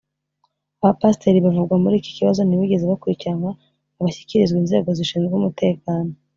Abapasiteri bavugwa muri iki kibazo ntibigeze bakurikiranwa ngo bashyikirizwe inzego zishinzwe umutekano